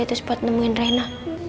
itu sebab nemuin rena